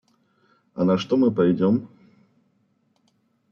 А на что мы пойдем?